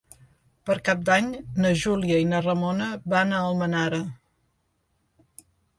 Per Cap d'Any na Júlia i na Ramona van a Almenara.